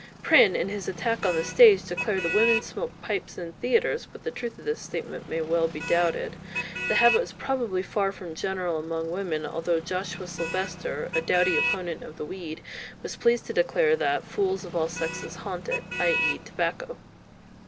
Prynne, in his attack on the stage, declared that women smoked pipes in theatres; but the truth of this statement may well be doubted. The habit was probably far from general among women, although Joshua Sylvester, a doughty opponent of the weed, was pleased to declare that "Fooles of all Sexes haunt it," i.e. tobacco.